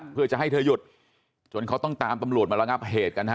เพื่อจะให้เธอหยุดจนเขาต้องตามตำรวจมาระงับเหตุกันฮะ